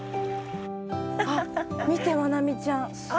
あっ見てマナミちゃん！